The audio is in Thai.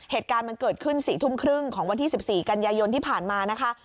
เหตุการณ์มันเกิดขึ้น๔ทุ่มครึ่งของวันที่๑๔กันยายนที่ผ่านมานะคะ